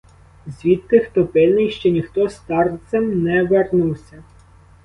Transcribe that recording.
Звідти, хто пильний, ще ніхто старцем не вернувся.